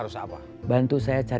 setelah kamu owningel